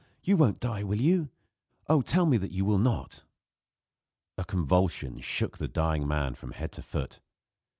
you won't die, will you? Oh, tell me that you will not!" A convulsion shook the dying man from head to foot.